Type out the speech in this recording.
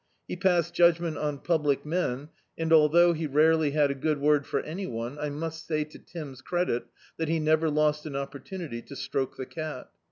He passed judgment on public men, and although he rarely had a good word for any one, I must say, to Tim's credit, that he never lost an opportunity to stroke the cat.